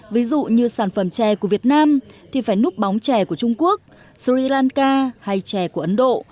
ví dụ như sản phẩm chè của việt nam thì phải núp bóng chè của trung quốc sri lanka hay chè của ấn độ